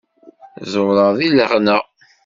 Ẓewreɣ deg leɣna.